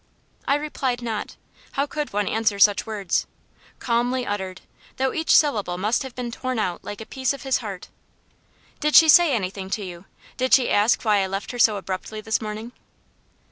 I replied not: how could one answer such words? calmly uttered, though each syllable must have been torn out like a piece of his heart. "Did she say anything to you? Did she ask why I left her so abruptly this morning?"